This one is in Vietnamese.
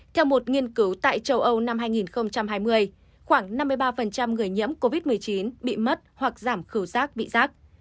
theo một nghiên cứu tại châu âu năm hai nghìn hai mươi khoảng năm mươi ba người nhiễm covid một mươi chín bị mất hoặc giảm khẩu sát vị sát